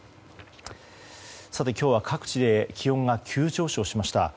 さて、今日は各地で気温が急上昇しました。